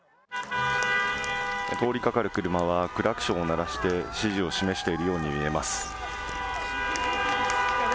通りかかる車は、クラクションを鳴らして、支持を示しているように見えます。